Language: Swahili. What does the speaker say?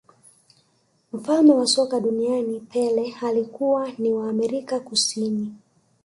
mfalme wa soka duniani pele alikuwa wa ni amerika kusini